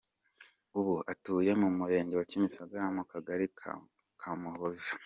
Ubu atuye mu Murenge wa Kimisagara mu Kagari ka Kamuhoza.